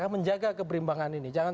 menjaga keberimbangan ini jangan